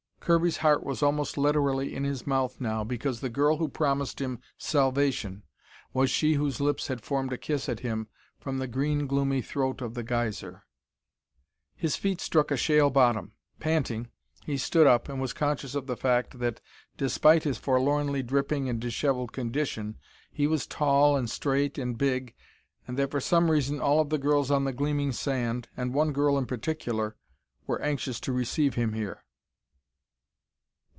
Kirby's heart was almost literally in his mouth now, because the girl who promised him salvation was she whose lips had formed a kiss at him from the green gloomy throat of the geyser. His feet struck a shale bottom. Panting, he stood up and was conscious of the fact that despite his forlornly dripping and dishevelled condition, he was tall and straight and big, and that for some reason all of the girls on the gleaming sand, and one girl in particular, were anxious to receive him here.